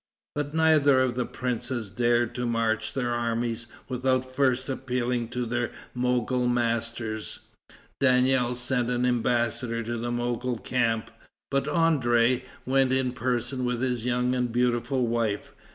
But neither of the princes dared to march their armies without first appealing to their Mogol masters. Daniel sent an embassador to the Mogol camp, but André went in person with his young and beautiful wife.